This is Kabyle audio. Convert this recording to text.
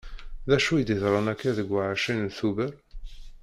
D acu i d-yeḍran akka deg ɛecrin tuḅer?